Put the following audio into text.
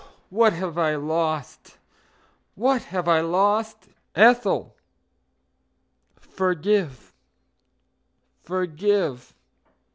Oh, what have I lost! What have I lost! Ethel, forgive, forgive!